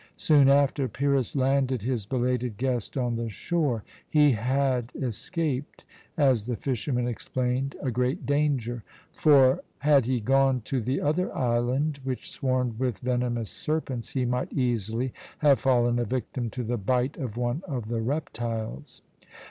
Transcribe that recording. Soon after, Pyrrhus landed his belated guest on the shore. He had escaped as the fisherman explained a great danger; for had he gone to the other island, which swarmed with venomous serpents, he might easily have fallen a victim to the bite of one of the reptiles.